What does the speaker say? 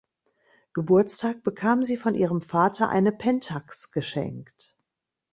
Geburtstag bekam sie von ihrem Vater eine Pentax geschenkt.